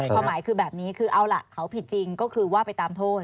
ความหมายคือแบบนี้คือเอาล่ะเขาผิดจริงก็คือว่าไปตามโทษ